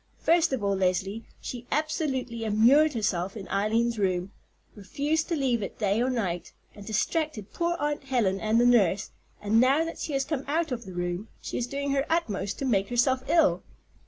First of all, Leslie, she absolutely immured herself in Eileen's room, refused to leave it day or night, and distracted poor Aunt Helen and the nurse, and now that she has come out of the room, she is doing her utmost to make herself ill."